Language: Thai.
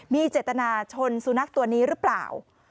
มีเจตนาชนสุนัขตัวนี้หรือเปล่า